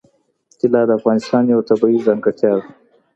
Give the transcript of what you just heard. طلا د افغانستان یوه طبیعي ځانګړتیا ده.